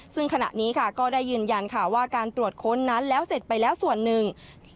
ซึ่งขณะนี้ค่ะก็ได้ยืนยันค่ะว่าการตรวจค้นนั้นแล้วเสร็จไปแล้วส่วนหนึ่ง